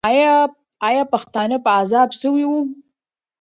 آیا پښتانه په عذاب سوي وو؟